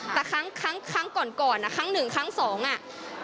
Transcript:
ทางร้านเลยบอกว่าครั้งนี้เรียกให้มันสูงไปเลย